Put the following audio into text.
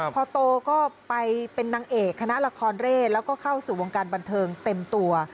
พอโตก็ไปเป็นนางเอกคณะละครเร่แล้วก็เข้าสู่วงการบันเทิงเต็มตัว